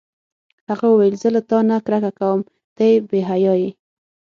هغه وویل: زه له تا نه کرکه کوم، ته بې حیا یې.